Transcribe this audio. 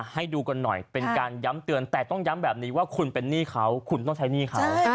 ให้ดูกันหน่อยเป็นการย้ำเตือนแต่ต้องย้ำแบบนี้ว่าคุณเป็นหนี้เขาคุณต้องใช้หนี้เขา